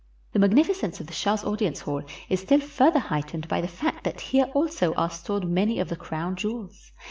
The magnificence of the shah's audience hall is still further heightened by the fact that here also are stored many of the crown jewels.